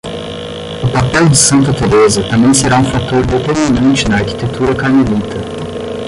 O papel de Santa Teresa também será um fator determinante na arquitetura carmelita.